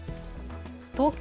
東京